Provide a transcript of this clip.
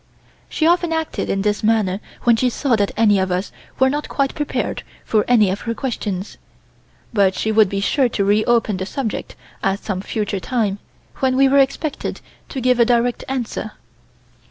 She often acted in this manner when she saw that any of us were not quite prepared for any of her questions, but she would be sure to reopen the subject at some future time, when we were expected to give a direct answer.